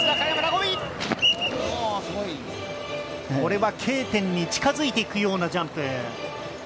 これはＫ点に近づいていくようなジャンプ。